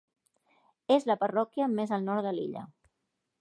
És la parròquia més al nord de l'illa.